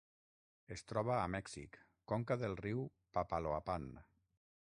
Es troba a Mèxic: conca del riu Papaloapán.